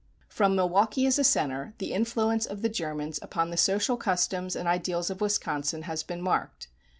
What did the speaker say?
From Milwaukee as a center, the influence of the Germans upon the social customs and ideals of Wisconsin has been marked.